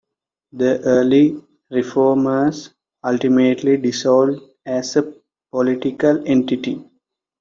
The early reformers ultimately dissolved as a political entity.